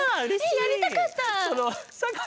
えやりたかった！